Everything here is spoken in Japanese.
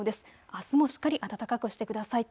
あすもしっかり暖かくしてください。